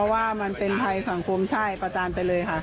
ว่ามันเป็นภัยสังคมใช่ประจานไปเลยค่ะ